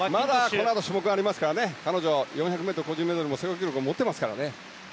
まだこのあと種目がありますからね彼女、４００ｍメドレーの世界記録も持っていますからね。